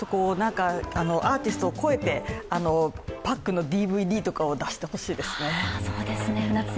アーティストを超えて、パックのＤＶＤとかを出してほしいですね。